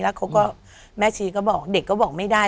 แล้วเขาก็แม่ชีก็บอกเด็กก็บอกไม่ได้